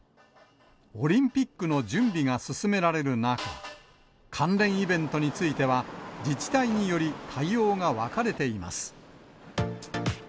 オリンピックの準備が進められる中、関連イベントについては、自治体により、対応が分かれています。